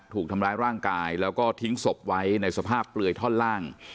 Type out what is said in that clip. ถูกทำร้ายร่างกายแล้วก็ทิ้งศพไว้ในสภาพเปลือยท่อนล่าง